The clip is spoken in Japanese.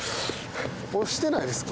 押してないですか？